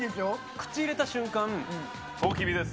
口入れた瞬間、とうきびです。